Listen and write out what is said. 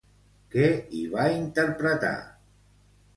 Què hi va interpretar?